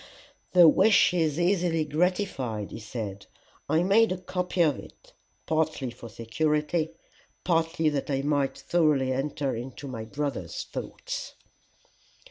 "The wish is easily gratified," he said. "I made a copy of it, partly for security, partly that I might thoroughly enter into my brother's thoughts."